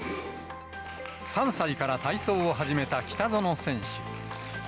３歳から体操を始めた北園選手。